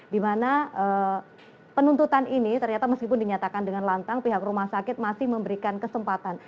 dimana penuntutan ini ternyata meskipun dinyatakan dengan lantang pihak rumah sakit masih memberikan kesempatan